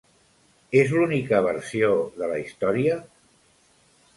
És l'única versió de la història?